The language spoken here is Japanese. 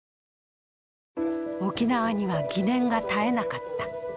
沖縄には疑念が絶えなかった。